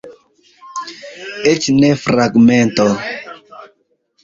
Eĉ ne fragmento.